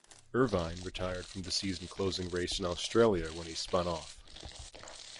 Irvine retired from the season closing race in Australia when he spun off.